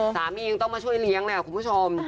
สามียังต้องมาช่วยเลี้ยงเนี่ยคุณผู้ชม